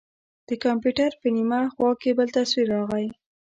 د کمپيوټر په نيمه خوا کښې بل تصوير راغى.